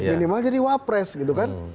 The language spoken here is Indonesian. minimal jadi wapres gitu kan